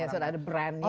ya sudah ada brandnya